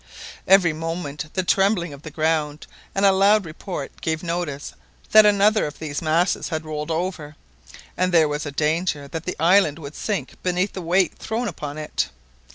Every moment the trembling of the ground and a loud report gave notice that another of these masses had rolled over, and there was a danger that the island would sink beneath the weight thrown upon it.